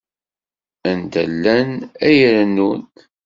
Anda llan, ay rennun.